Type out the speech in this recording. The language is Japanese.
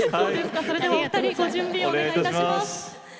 それではお二人ご準備お願いいたします。